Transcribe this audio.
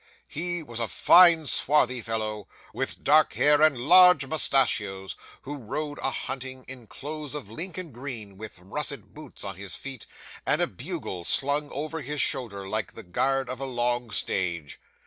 He was a fine swarthy fellow, with dark hair and large moustachios, who rode a hunting in clothes of Lincoln green, with russet boots on his feet, and a bugle slung over his shoulder like the guard of a long stage.